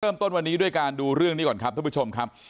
เริ่มต้นวันนี้ด้วยการดูเรื่องนี้ก่อนครับท่านผู้ชมครับ